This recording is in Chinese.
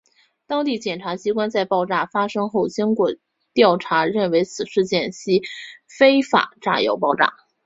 当地检察机关在爆炸发生后经过调查认为此事件系非法炸药爆炸。